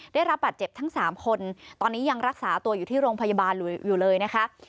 ได้รับบาดเจ็บทั้ง๓คนตอนนี้ยังรักษาตัวอยู่ที่โรงพยาบาลอยู่เลยนะคะ